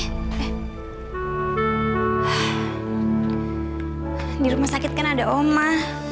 di rumah sakit kan ada oma